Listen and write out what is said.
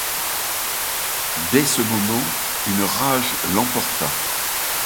Dès ce moment, une rage l’emporta.